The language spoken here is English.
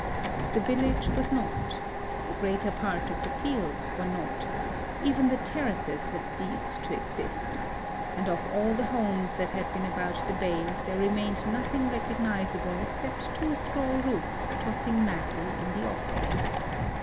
The village was not ; the greater part of the fields were not ; even the terraces had ceased to exist ; and of all the homes that had been about the bay there remained nothing recog nizable except two straw roofs tossing madly in the offing.